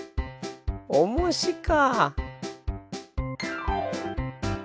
おもしか。